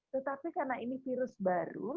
tetapi karena ini virus baru